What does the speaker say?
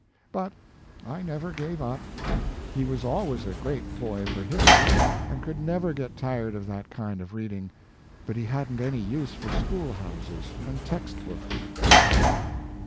But I never gave up, He was always a great boy for history, and could never get tired of that kind of reading; but he hadn t any use tor school houses and text books."